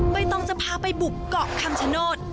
ใบตองจะพาไปบุกเกาะคำชโนธ